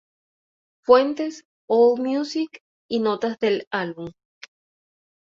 Fuentes: Allmusic y notas del álbum.